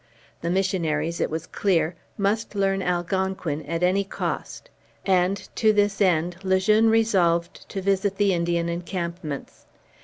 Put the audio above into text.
The missionaries, it was clear, must learn Algonquin at any cost; and, to this end, Le Jeune resolved to visit the Indian encampments.